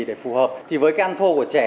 để phù hợp thì với cái ăn thô của trẻ